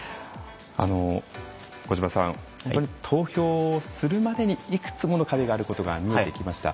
小島さん、投票する前にいくつもの壁があることが見えてきました。